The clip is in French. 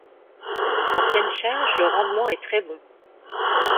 En pleine charge, le rendement est très bon.